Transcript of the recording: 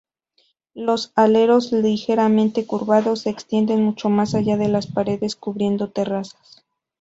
Los aleros ligeramente curvados se extienden mucho más allá de las paredes, cubriendo terrazas.